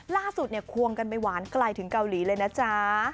ล่าสุดเนี่ยควงกันไปหวานไกลถึงเกาหลีเลยนะจ๊ะ